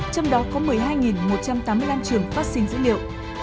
trong đó có một mươi hai một trăm tám mươi năm trường phát sinh dữ liệu